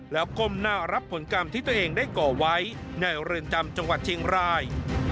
แล้วก้มหน้ารับผลกรรมที่ตัวเองได้ก่อไว้ในเรือนจำจังหวัดเชียงราย